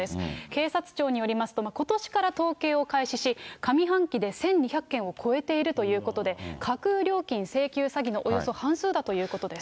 警察庁によりますと、ことしから統計を開始し、上半期で１２００件を超えているということで、架空料金請求詐欺のおよそ半数だということです。